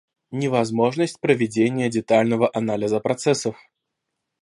Невозможность проведения детального анализа процессов